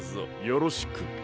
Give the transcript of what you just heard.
よろしく。